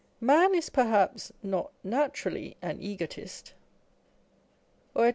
Man is perhaps not naturally an egotist, or at On Egotism.